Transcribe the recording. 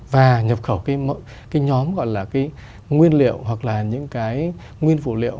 và nhập khẩu cái nhóm gọi là cái nguyên liệu hoặc là những cái nguyên phụ liệu